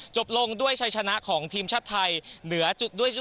จบลงด้วยชัยชนะของทีมชาติไทย